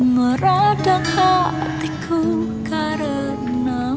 meradang hatiku karenamu